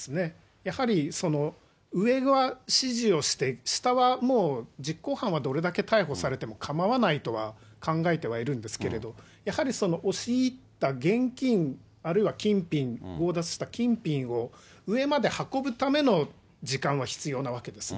やはり上が指示をして、下はもう、実行犯はどれだけ逮捕されても構わないとは考えてはいるんですけど、やはりその押し入った現金、あるいは金品、強奪した金品を上まで運ぶための時間は必要なわけですね。